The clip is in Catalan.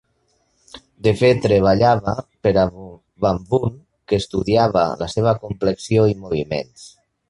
De fet treballava per a Van Wouw, que estudiava la seva complexió i moviments.